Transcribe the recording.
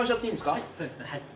はいそうですねはい。